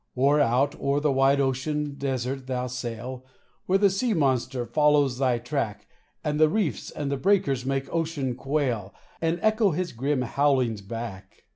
Or out o'er the wide ocean desert thou sail, Where the sea monster follows thy track, And the reefs and the breakers make ocean quail, And echo his grim howlings back.